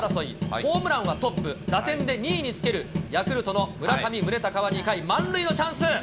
ホームランはトップ、打点で２位につけるヤクルトの村上宗隆は２回、満塁のチャンス。